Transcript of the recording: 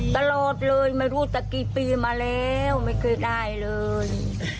ตลอดเลยไม่รู้จะกี่ปีมาแล้วไม่เคยได้เลย